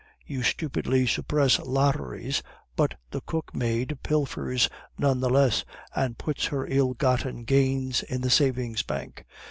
You stupidly suppress lotteries, but the cook maid pilfers none the less, and puts her ill gotten gains in the savings bank.